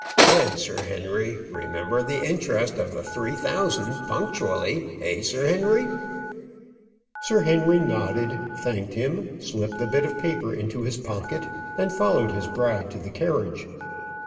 And, Sir Henry, remember the interest of the three thousand punctually eh, Sir Henry?" Sir Henry nodded thanked him slipped the bit of paper into his pocket, and followed his bride to the carriage.